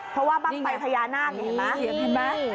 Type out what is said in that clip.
เพราะว่าบ้างไฟพญานาคนี่เห็นไหม